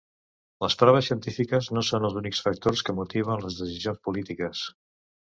Les proves científiques no són els únics factors que motiven les decisions polítiques.